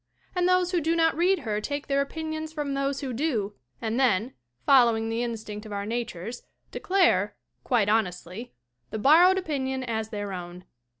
And those who do not read her take their opinions from those who do and then, following the instinct of our natures, declare (quite honestly) the borrowed opinion as their own.